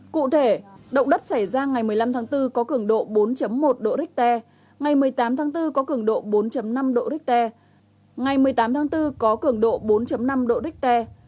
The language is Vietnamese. cụ thể động đất xảy ra ngày một mươi năm tháng bốn có cường độ bốn một độ richter ngày một mươi tám tháng bốn có cường độ bốn năm độ richter ngày một mươi tám tháng bốn có cường độ bốn năm độ richter